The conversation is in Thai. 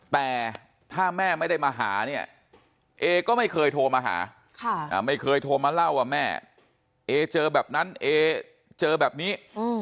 แต่ถ้าแม่ไม่ได้มาหาเนี่ยเอก็ไม่เคยโทรมาหาไม่เคยโทรมาเล่าว่าแม่เอเจอแบบนั้นเอเจอแบบนี้